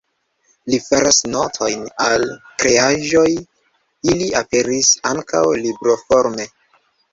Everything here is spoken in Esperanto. Li faras notojn al la kreaĵoj, ili aperis ankaŭ libroforme.